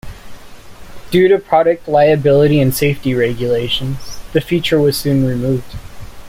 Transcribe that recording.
Due to product liability and safety regulations, the feature was soon removed.